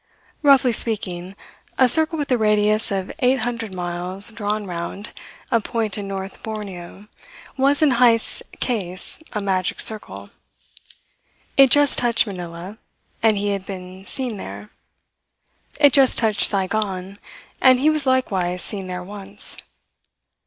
Roughly speaking, a circle with a radius of eight hundred miles drawn round a point in North Borneo was in Heyst's case a magic circle. It just touched Manila, and he had been seen there. It just touched Saigon, and he was likewise seen there once.